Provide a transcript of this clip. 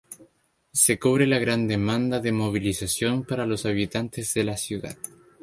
Se cubre la gran demanda de movilización para los habitantes de la ciudad.